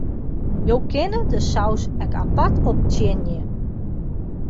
Jo kinne de saus ek apart optsjinje.